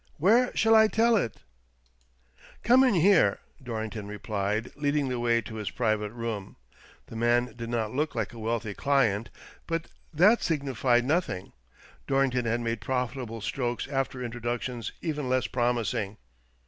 Where shall I tell it ?" "Come in here," Dorrington replied, leading the way to his private room. The man did not look like a wealthy client, but that signified CASE OF THE '' MIBEOB OF PORTUGAL'' 107 nothing. Dorrington had made profitable strokes after introductions even less promising.